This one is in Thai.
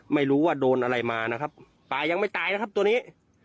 ไม่รู้ว่าโดนอะไรมานะครับปลายังไม่ตายนะครับตัวนี้